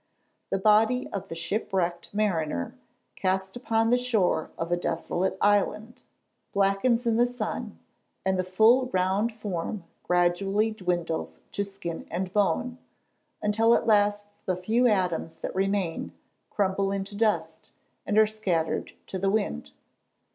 The body of the shipwrecked mariner, cast upon the shore of a desolate island, blackens in the sun, and the full round form gradually dwindles to skin and bone, until at last the few atoms that remain crumble into dust, and are scattered to the wind.